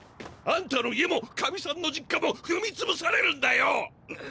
あんたの家もカミさんの実家も踏み潰されるんだよ！！